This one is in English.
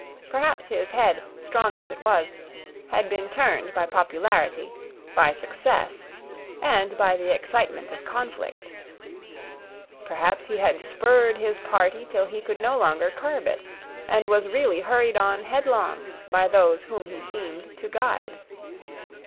Perhaps his head, strong as it was, had been turned by popularity, by success, and by the excitement of conflict. Perhaps he had spurred his party till he could no longer curb it, and was really hurried on headlong by those whom he seemed to guide.